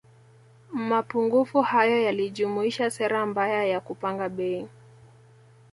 Mapungufu hayo yalijumuisha sera mbaya ya kupanga bei